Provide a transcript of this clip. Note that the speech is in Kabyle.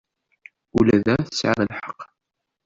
Ula da, tesɛiḍ lḥeqq.